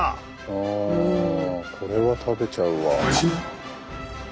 あこれは食べちゃうわ。